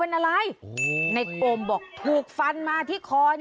นายอมบอกถูกฟันมาที่คอ